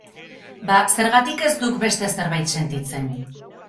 Ba zergatik ez duk beste zerbait sentitzen?